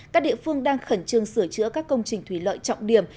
các địa phương đang khẩn trương sửa chữa các công trình thủy lợi trọng điểm